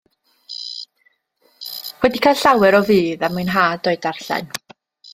Wedi cael llawer o fudd a mwynhad o'i darllen.